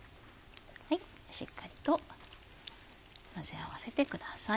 しっかりと混ぜ合わせてください。